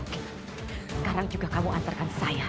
sekarang juga kamu antarkan saya